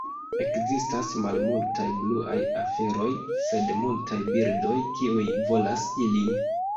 Ekzistas malmultaj bluaj aferoj, sed multaj birdoj kiuj volas ilin.